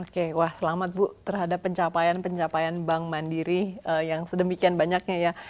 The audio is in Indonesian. oke wah selamat bu terhadap pencapaian pencapaian bank mandiri yang sedemikian banyaknya ya